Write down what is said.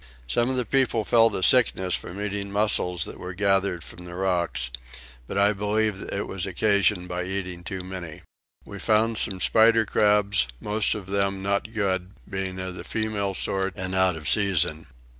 Some of the people felt a sickness from eating mussels that were gathered from the rocks; but I believe it was occasioned by eating too many. We found some spider crabs, most of them not good, being the female sort and out of season.